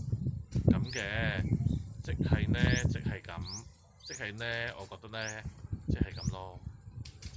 咁嘅，即係呢即係咁，即係呢我覺得呢，即係咁囉